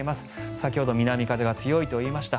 先ほど南風が強いといいました。